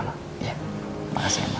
makasih ya emma